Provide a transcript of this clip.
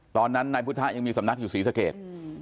ตอนนั้นนายพุทธะยังมีสำนักอยู่ศรีสเกต